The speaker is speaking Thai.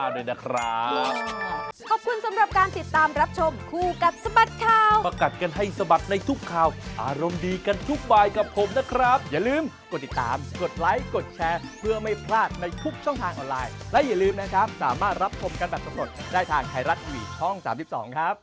อ่ะขอบคุณภาพนี้นะครับจากติ๊กตอบของคุณโอรามาด้วยนะครับ